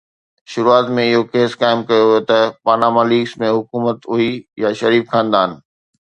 شروعات ۾ اهو ڪيس قائم ڪيو ويو ته پاناما ليڪس ۾ حڪومت هئي يا شريف خاندان